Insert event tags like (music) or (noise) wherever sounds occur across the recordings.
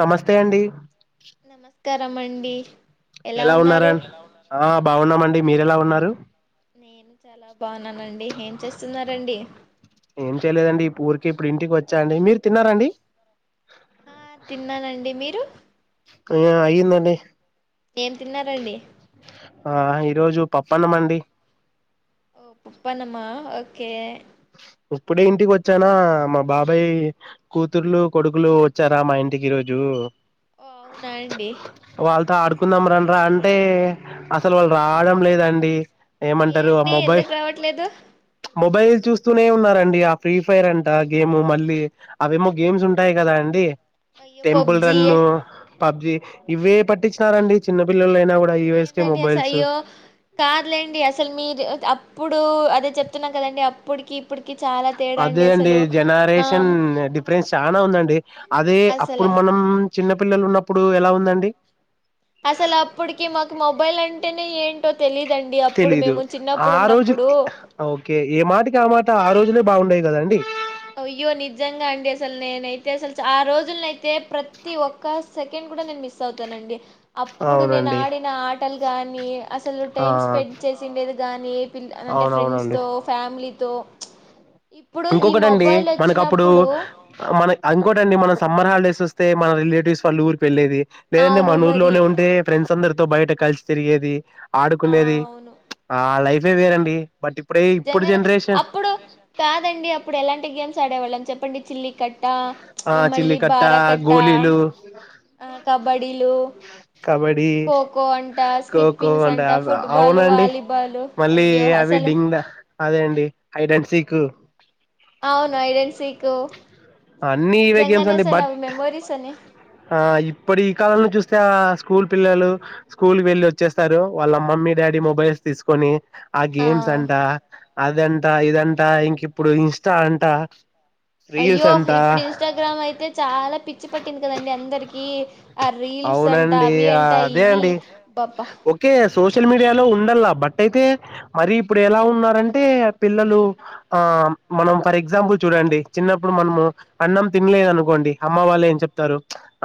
నమస్తే అండి నమస్కారం అండి ఎలా ఉన్నారా ఆ బాగున్నామండి మీర ఎలా ఉన్నారు బాగున్నానండి ఏం చేస్తున్నరండి ఏం చేయలేదండి ఈ ఊరికి ఇప్పుడు ఇంటికి వచ్చా అండి మీరు తిన్నారండి ఆ తిన్నానండి మీరు ఆ అయ్యిందండి ఏం తిన్నారండి ఈ రోజు పప్పన్నం అండి ఓ పప్పనమా ఓకే ఇప్పుడే ఇంటికి వచ్చానా మా బాబాయ్ కూతుర్లు కొడుకులు వచ్చారా మా ఇంటికి ఈ రోజు ఓ అవునా అండి కుందాం రండ రా అంటే అసలు వాళ్ళు రావడం లేదండి ఏ ఏమంటారు ఆ అండి మొబైల్ ఎందుకు రావట్లేదు మొబైల్ చూస్త స్తూనే ఉన్నారండి ఆ ఫ్రీ ఫైర్ అంట గేమ్ మళ్ళీ అవేమో గేమ్స్ ఉంటాయి కదా అండి అయ్యో టెంపుల్ పబ్జి రన్ను పబ్జి ఇవే పట్టించినారండి చిన్న ఏంటండి అసలు అయ్యో కార్లేండి అసలు మీరు అప్పుడు లూ అదే చెప్తున్నాం కదండి అప్పటికి చాలా తేడా అదే అండి అసలు ఆ జనరేషన్ డిఫరెన్స్ చాల ఉందండి అదే అప్పుడు అసలు మనం చిన్న పిల్లలు ఉన్నప్పుడు ఎలా ఉందండి అసలు అప్పటికి మాకు మొబైల్ అంటేనే ఏంటో తెలీదండి అప్పుడు తెలీదు మేము చిన్నప్పుడు ఆ రోజు ఉన్నప్పుడు ఓకే ఏ మాటకి ఆ మాట ఆ రోజులే బాగుండేయి కదండి అయ్యో నిజంగా అండి అసలు నేనైతే అసలు ఆ రోజులనయితే ప్రతి ఒక్క సెకండ్ కూడా నేను మిస్ అవుతానండి అప్పుడు నేను అవునండి ఆడిన ఆటలు గాని అసలు ఆ టైమ్ స్పెండ్ చేసిండేది కాగాని ఏ పిల్ అంటే ఫ్రెండ్స్ అవునవునండి తో ఫ్యామిలీతో ఇప్పుడు ఈ మొబ్ కి మనకప్పుడు మన ఇంకోటి అండి మనం సమ్మర్ హాలిడేస్ వస్ తె మన రిలేటివ్స్ వాళ్ళు ఊరి పెళ్ళది లేదంటే అవును మన మరి ఊరులోనే ఉంటే ఫ్రెండ్స్ అందరు తో బయట కలిసి తిరిగేది ఆ ఆడుకునేది అవును ఆ లైఫే వేరండి బట్ ఇప్పుడే ఇప్పుడు నిజంగానే జనరేషన్ అప్పుడు కాదండి అప్పుడు ఎలాంటి గేమ్స్ ఆడేవాళ్ళం చెప్పండి చిల్లి కట్ కట్ట ప్చ్ ఆ మ మళ్ళీ చిల్లికట్ట బార కట్ట గోళీలు ఆ కబడ్డీలు కబడ్డీ ఖోఖో అంట ఖోఖో స్కిప్పింగ్స్ అంటే అంట అవ్- ఫుట్బాలు అవునండి వాలీబాలు మళ్ళీ అయ్యో అవి అసలు డింగ్ డ అదే అండి హైట్ అండ్ సీక్ అవును ఐడెన్ సీకు అన్ని ఇవే గేమ్స్ అండి బట్ మెమోరీస్ అని ఆ ఇప్పడు ఈ కాలంలో చూస్తే ఆ స్కూల్ పిల్లలు స్కూల్కి వెళ్ళి వచ్చేస్తారు వాళ్ళ మమ్మీ డాడీ మొబైల్స్ తీసుకొని ఆ గేమ్స్ అంట అదంట ఇదంట ఇంక ఇప్పుడు ఇన్స్టా అంట రీల్స్ అయ్యో ఇప్ అంట ఇప్పుడు ఇన్స్టాగ్రామ్ అయితే చాలా పిచ్చి పట్టింది కదండి అందరికి ఆ రీల్స్ అంట అవునండి. అవి ఆ! అంటే ట అదే యివి అండి. అబబా ఓకే సూ సోషల్ మీడియాలో ఉండల్లా బట్ అయితే మరి ఇప్పుడు ఎలా ఉన్నారంటే పిల్లలు ఆ అ మనం ఫర్ ఎగ్జాంపుల్ చూడండి చిన్నప్పుడు మనము అన్నం తినలేదు అనుకోండి అమ్మ వాళ్ళు ఏం చెప్తారు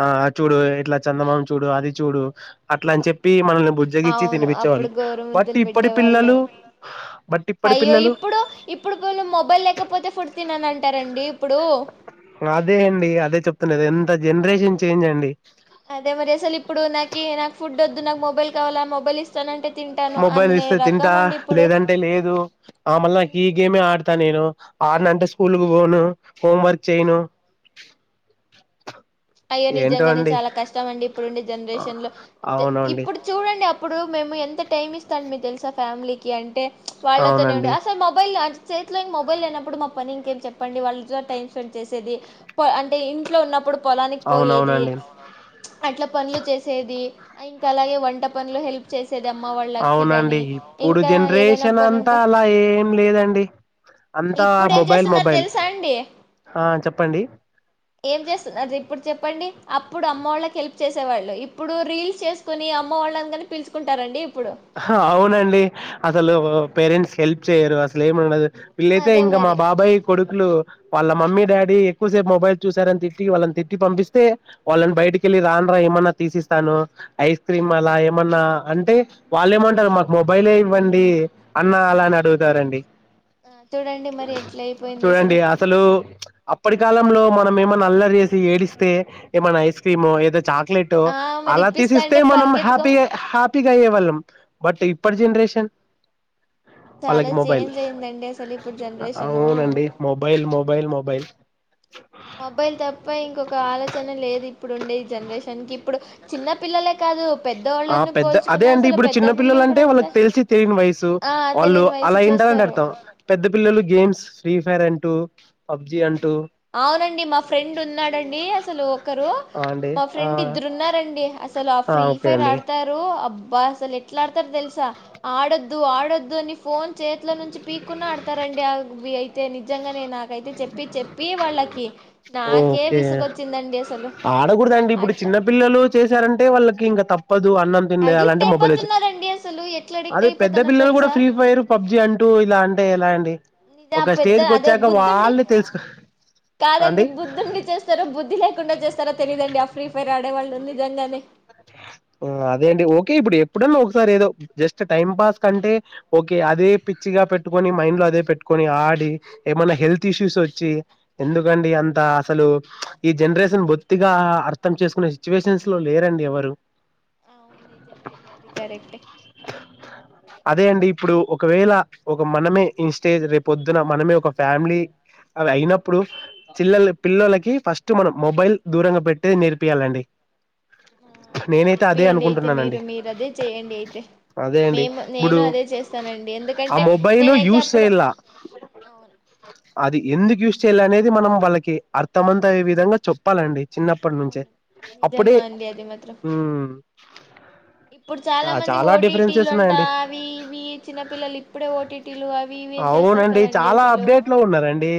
ఆ చూడు ఇట్లా చందమామ చూడు అది చూడు పుడు అట్లా అని చెప్పి మనల్ బుజ్జగిచ్చి అవును తినిపించేవాళ్ళు అప్పుడు గోరు బట్ ముద్దలు ఇప్పటి పెట్టేవాళ్ళు పిల్లలు బట్ ఇప్పటి అయ్యో పిల్లలు ఇప్పుడు ఇప్పుడు పిళ్లు మొబైల్ లేకపోతే ఫుడు తిన్నను అంటారండి ఇప్పుడు అదే అండి అదే చెప్తున్నది అంత జనరేషన్ చేంజ్ అండి దు నాకు మొబైల్ కావాలా మొబైల్ ఇస్తానంటే తింటాను మొబైల్ అనే ఇస్తే రకం తింటా అండి ఇప్పుడు లేదంటే లేదు ఆ మళ నాకు ఈ మ్మ్. గేమే ఆడ త నేను ఆరునంటే స్కూల్ కు పోను హోం వర్క్ చేయను అయ్యో ఏంటో నిజంగానే అండి చాలా కష్టం అండి ఇప్పుడుండే జనరేషన్ లో అే అవునండి ఇప్పుడు చూడండి అప్పుడు మేము ఎంత టైమ్ ఇస్తాం మీ తెలుసా ఫ్యామిలీకి అంటే వాళ్ళతోనే ఉడి అవునండి అసలు మొబైల్ చేతిలో ఇ మొబైల్ లేనప్పుడు మా పని ఇంకేం చెప్పండి వాళ్ళ టైం స్పెండ్ చేసేది ప అంటే ఇంట్లో ఉన్నప్పుడు పొలానికి పోయేది అవునవునండి అట్లా పనులు చేసేది ఇంకా అలాగే వంట పనులు హెల్ప్ చేస్ సెది అమ్మ వాళ్ళకి ని అవునండి ఇప్పుడు ఇంకా ఏదైనా జనరేషన్ పని అంతా ఉంటా అలా ఏం లేదండి అంతా ఇప్పుడు ఏం మొబైల్ చేస్తున్న మొబైల్ తెలుసా అండి ఆ చెప్పండి ఏం చేస్తున్న ఇప్పుడు చెప్పండి అప్పుడు అమ్మ వాళ్ళకి హెల్ప్ చేసేవాళ్ళు ఇప్పుడు రీల్స్ చేసుకుని అమ్మ వాళ్ళందరని పిలుచుకు అంటారండి అవునండి అసలు పేరెంట్స్ హెల్ప్ చేయరు అసలు ఏముండదు వీళ్ళైతే అదే ఇంకా మా మరి బాబాయ్ కొడుకులు వాళ్ళ మమ్మీ డాడీ ఎక్కువ సేపు మొబైల్ చూశారని తిట్టి వాళ్ళని తిట్టి పంపిస్తే వాళ్ళని బయటికెళ్ళి రాన్ రా ఏమన్నా తీసిస్తాను ఐస్ క్రీమ్ అలా ఏమన్నా అంటే వాళ్లేమంటారు మాకు మొబైలే ఇవ్వండి అన్న అలానే అడుగుతారండి ఆ చూడండి మరి ఎట్ల అయిపోయింది అసలు అప్పటి కాలంలో మనం ఏమన్నా అల్లరి చేసి ఏడిస్తే ఏమైనా ఐస్ క్రీమో ఏదో చాక్లెటో ఆ మరి అలా ఇప్పిస్తా తీసిస్తే అంటే మనం పరిగెత్తుకో హ్యాపీ హ్యాపీగా అయ్యేవాళ్ళం బట్ ఇప్పటి జెనరేషన్ వాళ్ళకి చాలా మొబైల్ చేంజ్ అయిందండి అసలు ఇప్పుడు జనరేషను అవునండి మొబైల్ మొబైల్ మొబైల్ మొబైల్ తప్ప ఇంకొక ఆలోచన లేదు ఇప్పుడు ఉండే ఈ జనరేషన్ కి ఇప్పుడు చిన్న పిల్లలే కాదు ఆ పెద్దవాళ్ళని పెద్ద అదే పోల్చుకున్నా అండి అసలు ఇప్పుడు పెద్ద చిన్న పిల్లలు అంటే కూడా అంతే వాళ్ళకి తెలిసి తెలియని వయసు ఆ వాళ్ళు తెలియని వయసు అలా ఏంట చేస్తారు అర్ధం పెద్ద పిల్లలు గేమ్స్ ఫ్రీ ఫైర్ అంటూ పబ్జి ఆ అంటూ అవునండి మా ఫ్రెండ్ ఉన్నాడండి అసలు ఒకరు ఆ అండి మా ఆ ఫ్రెండ్ ఇద్దరు ఉన్నారండి అసలు ఆ ఫ్రీ ఓకే ఫైర్ అండి ఆడతారు అబ్బా అసలు ఎట్లా ఆడతారో తెలుసా ఆడొద్దు ఆడొద్దు అని ఫోన్ చేతిల నుంచి పీక్కున్నా ఆడతారండి ఆ అయితే నిజంగా నాకైతే చెప్పి చెప్పి వాళ్ళకి నాకే ఓకే విసుకొచ్చిందండి అసలు ఆడకూడదండి ఇప్పుడు అట్లా చిన్న పిల్లలు చేశారంటే వాళ్ళకి ఇంకా తప్పదు అన్నం తినలే అలా అడిక్ట్ అంటే మొబైల్ ఇచ్చేయొచ్చు అయిపోతున్నారండి అసలు ఎట్లా అడిక్ట్ అదే పెద్ద అయిపోతున్నారో పిల్లలు కూడా తెలుసా ఫ్రీ ఫైర్ పబ్జి అంటూ ఇలా అంటే ఎలా అండి (unintelligible) పెద్ద అదే బుద్ధుండి ఆళ్లు తెలుసు అండి కాదండి బుధ్ధి ఉండి చేస్తారో బుద్ధి లేకుండా చేస్తారో తెలిదండి ఆ ఫ్రీ ఫైర్ ఆడేవాళ్ళు నిజంగానే అదే అండి ఓకే ఇప్పుడు ఎప్పుడన్నా ఒకసారి ఏదో జస్ట్ టైం పాస్ కంటే ఓకే అదే పిచ్చిగా పెట్టుకొని మైండ్ లో అదే పెట్టుకొని ఆడి ఏమన్నా హెల్త్ ఇష్యూస్ వచ్చి ఎందుకండి అంత అసలు ఈ జనరేషన్ బొత్తిగా అర్థం చేసుకునే సిచ్యువేషన్స్ లో లేరండి ఎవరు కరక్టే అదే అండి ఇప్పుడు ఒకవేళ ఒక మనమే ఈ స్టేజ్ రేపు పొద్దున మనమే ఒక ఫ్యామిలీ అవి అయినప్పుడు చిల్లలు పిల్లలకి ఫస్ట్ మనం మొబైల్ దూరంగా పెట్టిది నేర్పియాలండి ఆ నేనైతే అదే నేర్పియండి అయితే అనుకుంటున్నానండి మీరు మీరు అదే చేయండి అయితే అదే అండి మేము ఇప్పుడు నేను అదే చేస్తానండి ఆ ఎందుకంటే మొబైలు నేనైతే యూస్ అప్పుడు చేయలా అవును అది ఎందుకు యూస్ చేయాలి అనేది మనం వాళ్ళకి అర్ధమంతయ్యే విధంగా చెప్పాలండి చిన్నప్పటి నుంచే అవును అప్పుడే నిజమా అండి అది మాత్రం మ్మ్ ఇప్పుడు చాలా మంది ఓటీటీలు అంటా అవి ఇవి చిన్న పిల్లలు ఇప్పుడే ఓటీటీలు అవి ఇవి చే అవునండి చాలా అప్డేట్ లో ఉన్నారండి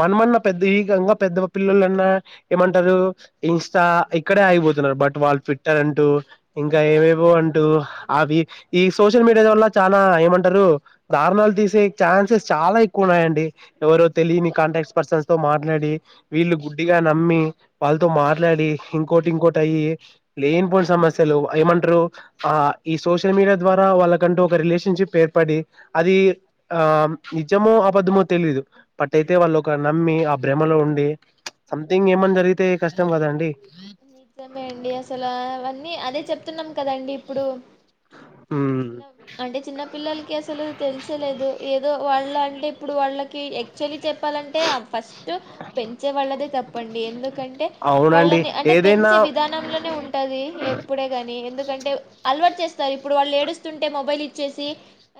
మనమన్న ఉమ్, పెద్ద ఏకంగా పెద్ద పిల్లలన్నా ఏమంటారు ఇంస్టా ఇక్కడే ఆయిపోతున్నారు బట్ వాళ్ళు ట్విట్టర్ అంటూ ఇంకా ఆ ఏవేవో అంటూ అవి ఈ సోషల్ మీడియాల వల్ల చాలా ఏమంటారు దారుణాలు తీసే ఛాన్సెస్ చాలా ఎక్కువ ఉ న్నాయండి ఎవరో తెలియని అవునండి కాంటాక్ట్ పర్సన్స్ తో మాట్లాడి వీళ్ళు గుడ్డిగా నమ్మి వాళ్ళతో అవును మాట్లాడి ఇంకోటి ఇంకోటి అయ్యి లేనిపోని సమస్యలు ఏమంటారు ఆ ఈ సోషల్ మీడియా ద్వారా వాళ్ళకంటూ ఒక రిలేషన్షిప్ ఏర్ పడి అది ఆ నిజమో అబద్ధమో తెలిదు బట్ అయితే వాళ్ళు ఒక నమ్మి భ్రమలో ఉండి సంథింగ్ ఏమన్నా జరిగితే కష్టం కదండీ నిజమేయండి అసలు అవన్నీ అదే చెప్తున్నాం కదండి ఇప్పుడు ఉమ్, అంటే చిన్న పిల్లలకి అసలు తెలిసో లేదో ఏదో వాళ్ళ అంటే ఇప్పుడు వాళ్ళకి యాక్చువల్లీ చెప్పాలంటే ఫస్ట్ పెంచే వాళ్ళదే తప్పండి ఎందుకంటే వాళ్ళ మి ఏర్ పెంచే విధానంలోనే ఉంటది ఎప్పుడే గాని ఎందుకంటే అలవాటు చేస్తారు ఇప్పుడు వాళ్ళు ఏడుస్తుంటే మొబైల్ ఇచ్చేసి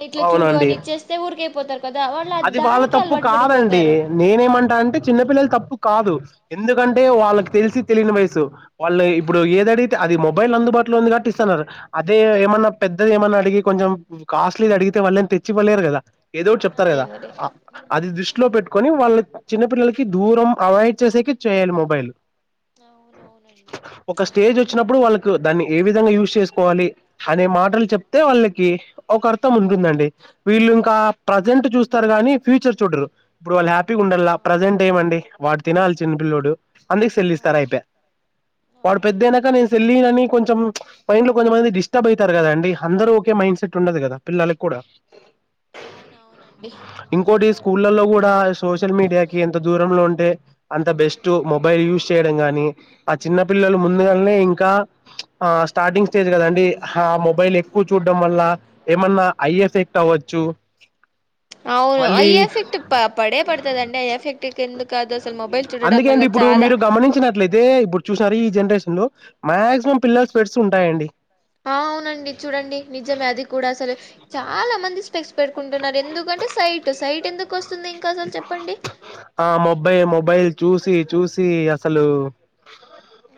ఇట్లా చూడు అవునండి అని ఇచ్చేస్తే ఊరికయిపోతారు. అది వాళ్ళ తప్పు కాదండి నేనేమంటా అంటే చిన్నపిల్లలు తప్పు కాదు. ఎందుకంటే ఉమ్, వాళ్ళకి తెలిసి తెలియని వయసు వాళ్ళు ఇప్పుడు ఏదడిగితే అది మొబైల్ అందుబాటులో ఉంది కాబట్టి ఇస్తున్నారు. అదే ఏమన్నా పె పెద్దది ఏమన్న అడిగి కొంచె కాస్ట్లీది అడిగితే వాళ్ళని తెచ్చివ్వ లేరు కదా ఏదో ఒకటి తారు అదే కదా మరి అది ఉమ్, దృష్టిలో పెట్టుకొని వాళ్ళ చిన్నపిల్లలకి దూరం అవాయిడ్ చేసేకి చేయాలి మొబైల్. అవునవునండి ఒక స్టేజ్ వచ్చినప్పుడు వాళ్ళ ద్దు దాన్ని ఏ విధంగా యూజ్ చేసుకోవాలి అనే మాటలు చెప్తే వాళ్ళకి ఒక అర్థం ఉంటుదండి. వీళ్ళు ఇంకా ప్రజెంట్ చూస్తారు గాని ఫ్యూచర్ చూడరు ఇప్పుడు వాళ్ళు హ్యాపీగా ఉండాలా ఆ, ప్రజెంట్ ఏమండి వాడు తినాలి చిన్న పిల్లోడు. అందుకె సెల్ ఆ, ఇస్తారు అయిపె వాడు అవును పెద్ద అయినాక నేను సెల్ ఇయ్యానని కొంచెం చ్ మైండ్ లో కొంత మంది డిస్టర్బ్ అయితారు కదండి. అందరూ ఒకే మైండ్ సెట్ ఉండదు కదా పిల్లలకి కూడా అవునవునండి ఇంకోటి స్కూళ్లలో కూడా సోషల్ మీడియాకి ఎంత దూరంలో ఉం టే అంత బెస్ట్ మొబైల్ యూస్ చేయడం గాని, ఆ చిన్న పిల్లలు ముందుగాల్నే కా ఆ స్టార్టింగ్ స్టేజ్ కదండి, ఆ మొబైల్ ఎక్కువ చూడడం వల్ల ఏమన్నా ఐ ఎఫెక్ట్ అవ్వచ్చు. చ్చు అవును ఐ ఎఫెక్టప్ప పడే పడతదండి ఐ ఎఫెక్ట్ ఎందుకు కాదు అసలు మొబైల్ చూడడం వల్ల చాలా చూసినట్లయితే ఇప్పుడు చూసినారు ఈ జనరేషన్ లో మాక్సిమం పిల్లలుకు స్పెడ్స్ ఉంటాయండి. ఆ అవునండి చూడండి నిజమే అది కూడా అసలు చాలా మంది స్పెడ్స్ పెట్టుకుంటున్నారు ఎందుకంటే సైట్ సైట్ ఎందుకు వస్తుంది ఇంకసలు చెప్పండి. ఆ మొబై మొబైల్ చూసి చూసి అసలు ఊ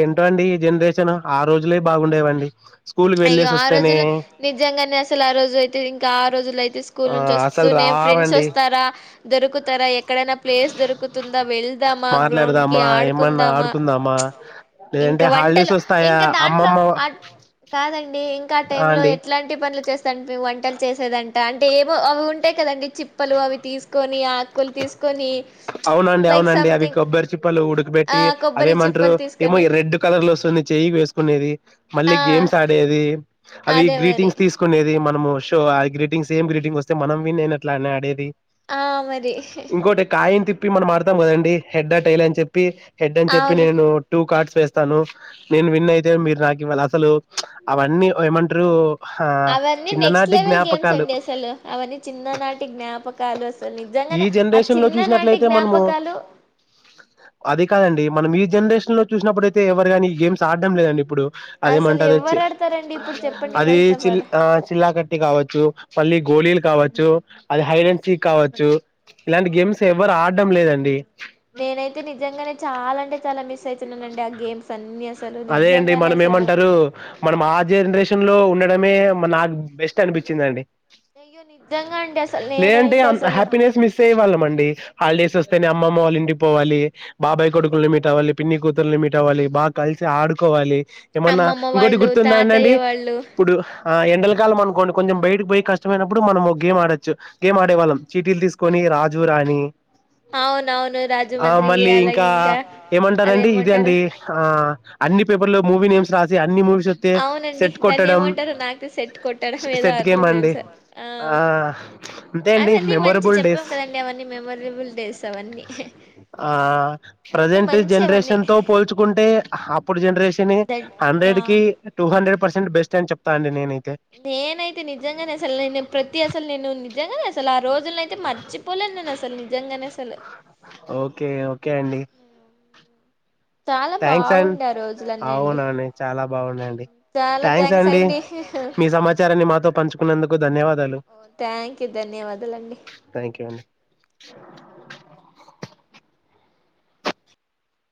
ఏంటో అండి ఈ జనరేషన్ ఆ రోజులే బాగుండేవండి. స్కూల్ కి అయ్యో వెళ్ళేసి ఆ వస్తేనే రోజులు నిజంగానే అసలు ఆ రోజు అయితే ఇంకా ఆ రోజుల అయి స్కూల్ ఆ నుంచి అసలు వస్తూనే ఫ్రెండ్స్ రావండి వస్తారా, దొరుకుతారా ఎక్కడైనా ప్లేస్ దొరుకుతుందా వెల్ మాట్లాడదామా, ఏమన్నా ఆడుకుందామా లేదంటే ఇంకా హల్డేస్ వంటలు వస్తాయా ఇంకా దాంట్లో అమ్మమ్మ మావ ఆ కాదండి ఇంకా ఆ టైంలో ఎట్లాంటి పనులు చేస్తాంటే వంటలు చేసేదన్ దాంటే ఏమో అవి ఉంటాయి కదండి. చిప్పలు అవి తీసుకొని, ఆకులు తీసుకొని చ్ లైక్ సమ్థింగ్ పెట్టి అదేమంటరు ఏమో ఎ రెడ్ కలర్ లో వస్తుంది చెయి వేసుకునేది. మళ్ళీ ఆ గేమ్స్ ఆడేది అవి అదే మరి గ్రీటింగ్స్ తీసుకునేది మనము. షో ఆ గ్రీటింగ్ సేమ్ గ్రీటింగ్ వస్తే మనం విన్ అయినట్ అని అడేది. ఆ మరి ఇంకోటి కయంతీ ప్పి మనం ఆడతాం కదండి హెడ్ టైల్ అని చెప్పి హెడ్ అని చెప్పి అవును నేను టూ కార్డ్స్ వేస్తాను నేను విన్ అయితే మీరు నాకి ఇవాళ అసలు చ్ అవన్నీ ఓ ఏమంటరు. అవన్ని నెక్స్ట్ లెవెల్ గేమ్స్ అండి అసలు అవన్ని చిన్ చిన్న నాటి జ్ఞాపకాలు అసలు ఈ నిజంగానే ఆ జనరేషన్ లో చిన్ననాటి చూసినట్లయితే మనము జ్ఞాపకాలు అది కాదండి మనం ఈ జనరేషన్ లో చూసినప్పుడుయితే ఎవరు గాని ఈ గేమ్స్ ఆడడం లేదండి ఇప్పుడు. అసలు అదేమంటారు చ్చి ఎవరు ఆడతారండి ఇప్పుడు చెప్పండి అది ఫస్ట్ ఆఫ్ చిల్ ఆల్ చిల్లాకట్టి కావచ్చు మళ్లి గోలీలు కావచ్చు, అది హైడ్ అండ్ చీక్ కావచ్చు ఇలాంటి గేమ్స్ ఎవ్వరు ఆడడం లేదండి. నేనైతే నిజంగానే చాలా అంటే చాలా మిస్ అయితున్నానండి ఆ గేమ్స్ అన్ని అసలు అదే అండి నిజంగానే మనం అసలు ఏమంటారు మనం ఆ జనరేషన్ లో ఉండడమే నాకు బెస్ట్ అనిపించిందండి. అయ్యో నిజంగా అండి అసలు లేదంటే నేనైతే అంత్ అసలు హ్యాపీనెస్ మిస్ అయ్యే వాళ్ళం అండి హాలిడేస్ వస్ నే అమ్మమ్మ వాళ్ళ ఇంటికి పోవాలి బాబాయ్ కొడుకుల్ని మీటవ్వాలి పిన్ని కూతుర్లని మీట్ అవ్వాలి బా కలిసి ఆడుకోవాలి ఏమన్నా అమ్మమ్మ ఇంకోటి వాళ్ళు గుర్తుందా తాతయ్య అండి వాళ్ళు ఇప్పుడు ఆ ఎండలకాలం అనుకోండి కొంచెం బయట పోయి కష్టమయినప్పుడు మనం ఒక గేమ్ ఆడచ్చు గేమ్ ఆడేవాళ్ళం చీటీలు తీసుకొని రాజు రాణి అవునవును ఆ రాజమండ్రి మళ్ళీ అలాగే ఇంకా ఏమంటారండి అదేమంటారు ఇదండి ఆ అన్నీ పేపర్లో మూవి నేమ్స్ రాసి అన్ని మూవీ అవునండి దాన్ని ఏమంటారు నాకే సెట్ కొట్టడం సె ఏదో సెట్ అట్ల గేమ్ అండి తెలుస ఆ అంతే అండి అవన్నీ మంచి మెమొరబుల్ చెప్పాం డేస్ కదండి అవన్నీ మెమరబుల్ డేస్ అవన్నీ ఆ అవన్నీ ప్రజంటు మంచి అవన్నీ జనరేషన్ తో పోల్చుకుంటే హప్పుడు జెనరేషనే దట్ యా హండ్రెడ్ కి టూ హండ్రెడ్ పర్సెంట్ బెస్ట్ అని చెప్తానండి నేను నేనైతే నిజంగానే అసలు నే ప్రతి అసలు నేను నిజంగనే అసలు ఆ రోజులనైతే మర్చిపోలే నేను అసలు నిజంగానే అసలు కే అండి చాలా థ్యాంక్స్ అం బాగుండే ఆ రోజులన్నీ అండి అవునండి చాలా బాగుండ అండి థ్యాంక్స్ అండి మీ సమాచారాన్ని మాతో పంచుకున్నందుకు ధన్యవాదాలు ఓ థ్యాంక్యు ధన్యవదలండి థ్యాంక్యూ అండి